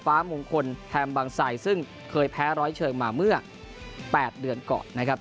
มงคลแฮมบางไซซึ่งเคยแพ้ร้อยเชิงมาเมื่อ๘เดือนก่อนนะครับ